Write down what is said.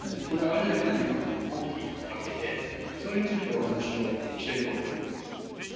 これはアジアへのインパクトも大きいわけでそれについてお話をしていこうと思います。